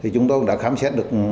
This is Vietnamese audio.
chúng tôi đã khám xét được